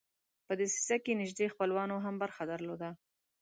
په دسیسه کې نیژدې خپلوانو هم برخه درلوده.